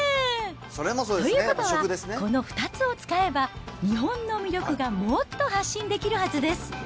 ということは、この２つを使えば、日本の魅力がもっと発信できるはずです。